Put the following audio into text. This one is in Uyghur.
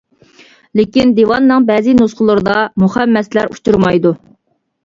لېكىن دىۋاننىڭ بەزى نۇسخىلىرىدا مۇخەممەسلەر ئۇچرىمايدۇ.